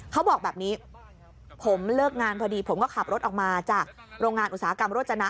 เขาบอกแบบนี้ผมเลิกงานพอดีผมก็ขับรถออกมาจากโรงงานอุตสาหกรรมโรจนะ